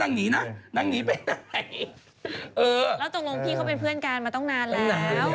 นั่งหนีนะนั่งหนีไปเออแล้วตรงนู้นพี่เขาเป็นเพื่อนการมาตั้งนานแล้ว